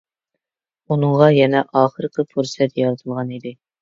ئۇنىڭغا يەنە ئاخىرقى پۇرسەت يارىتىلغان ئىدى.